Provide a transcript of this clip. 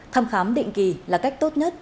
thăm khám định kỳ là cách tốt nhất